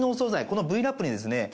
このＶ−Ｌａｐにですね